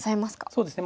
そうですね。